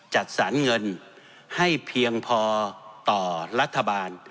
จัดสรรเงินให้เพียงพอต่อรัฐบาล